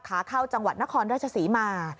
ขาเข้าจังหวัดนครราชศรีมา